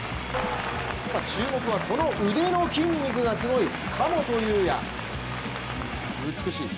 注目は、この腕の筋肉がすごい神本雄也、美しい。